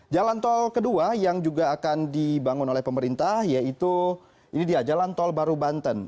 jalan tol kedua yang juga akan dibangun oleh pemerintah yaitu ini dia jalan tol baru banten